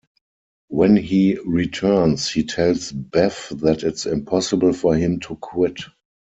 When he returns, he tells Bev that it's impossible for him to quit.